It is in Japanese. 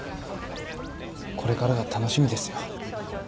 これからが楽しみですよ。